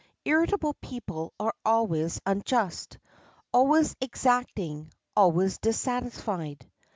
Irritable people are always unjust, always exacting, always dissatisfied.